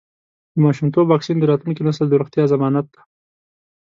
د ماشومتوب واکسین د راتلونکي نسل د روغتیا ضمانت دی.